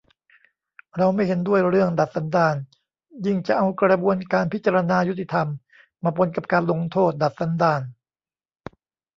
เราไม่เห็นด้วยเรื่อง "ดัดสันดาน" ยิ่งจะเอา กระบวนพิจารณายุติธรรม มาปนกับ การลงโทษ "ดัดสันดาน"